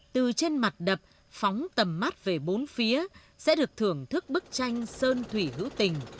từ trên mặt đập phóng tầm mắt về bốn phía sẽ được thưởng thức bức tranh sơn thủy hữu tình